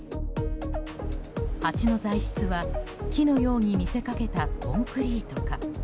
鉢の材質は木のように見せかけたコンクリートか。